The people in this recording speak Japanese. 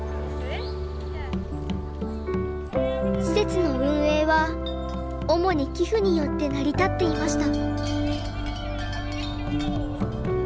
施設の運営は主に寄付によって成り立っていました。